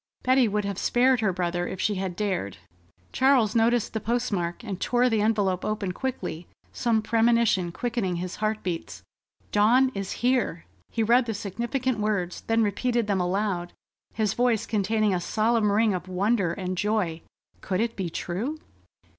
Betty would have spared her brother if she had dared. Charles noticed the postmark, and tore the envelope open quickly, some premonition quickening his heart beats. "Dawn is here!" He read the significant words, then repeated them aloud, his voice containing a solemn ring of wonder and joy. Could it be true?